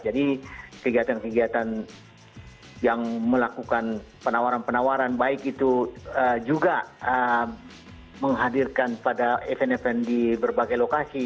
jadi kegiatan kegiatan yang melakukan penawaran penawaran baik itu juga menghadirkan pada event event di berbagai lokasi